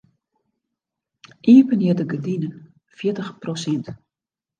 Iepenje de gerdinen fjirtich prosint.